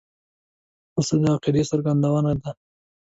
پسه د عقیدې څرګندونه ده.